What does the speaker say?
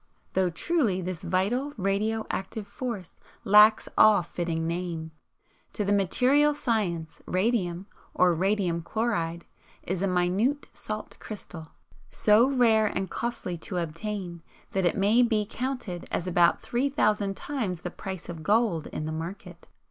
Though truly this vital radio active force lacks all fitting name. To material science radium, or radium chloride, is a minute salt crystal, so rare and costly to obtain that it may be counted as about three thousand times the price of gold in the market.